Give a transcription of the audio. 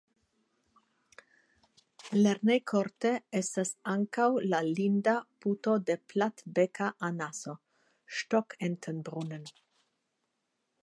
Lernejkorte estas ankaŭ la linda Puto de platbeka anaso (Stockentenbrunnen).